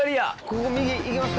ここ右行きますか。